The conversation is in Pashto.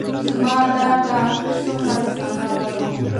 زما دا ډار څومره د خندا وړ و.